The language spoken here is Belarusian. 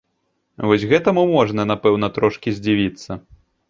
Вось гэтаму можна, напэўна, трошкі здзівіцца.